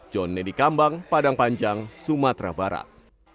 john nedi kambang padang panjang sumatera barat